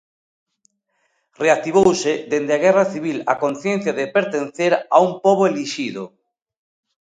Reactivouse dende a Guerra Civil a conciencia de pertencer a un pobo elixido.